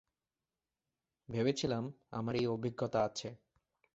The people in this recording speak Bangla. ভেবেছিলাম, আমার এই অভিজ্ঞতা আছে।